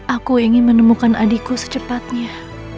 aku ingin menemukan adikku secepatnya